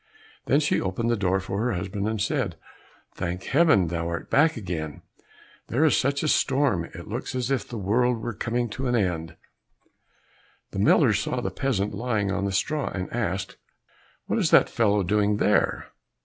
Then she opened the door for her husband, and said, "Thank heaven, thou art back again! There is such a storm, it looks as if the world were coming to an end." The miller saw the peasant lying on the straw, and asked, "What is that fellow doing there?"